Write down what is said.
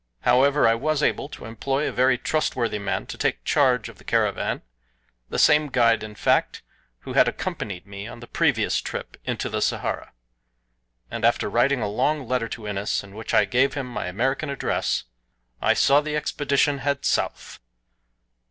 However, I was able to employ a very trustworthy man to take charge of the caravan the same guide, in fact, who had accompanied me on the previous trip into the Sahara and after writing a long letter to Innes in which I gave him my American address, I saw the expedition head south.